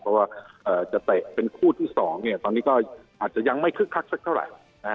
เพราะว่าจะเตะเป็นคู่ที่๒ตอนนี้ก็อาจจะยังไม่คึกคักสักเท่าไหร่